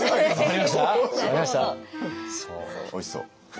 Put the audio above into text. おいしそう。